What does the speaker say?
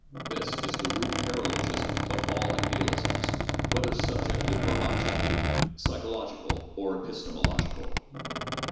This is the root paralogism of all idealisms, whether subjective or objective, psycho logical or epistemological.